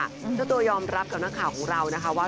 เจ้าตัวยอมรับกับนักข่าวของเรานะคะว่า